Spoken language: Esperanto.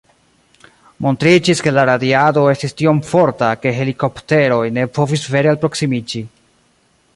Montriĝis, ke la radiado estis tiom forta, ke helikopteroj ne povis vere alproksimiĝi.